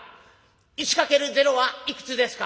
「１×０はいくつですか？」。